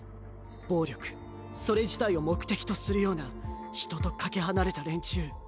「暴力」それ自体を目的とするような人とかけ離れた連中。